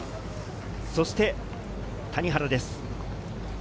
そして谷原です。